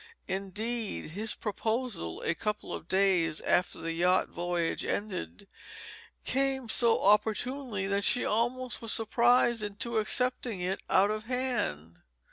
Indeed, his proposal, a couple of days after the yacht voyage ended, came so opportunely that she almost was surprised into accepting it out of hand.